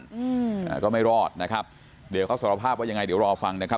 อืมอ่าก็ไม่รอดนะครับเดี๋ยวเขาสารภาพว่ายังไงเดี๋ยวรอฟังนะครับ